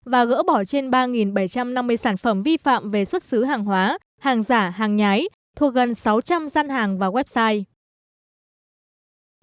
và gỡ bỏ trên ba bảy trăm năm mươi sản phẩm vi phạm về xuất xứ hàng hóa hàng giả hàng nhái thuộc gần sáu trăm linh gian hàng và website